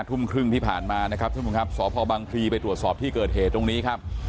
ทุ่มครึ่งที่ผ่านมานะครับท่านผู้ชมครับสพบังพลีไปตรวจสอบที่เกิดเหตุตรงนี้ครับ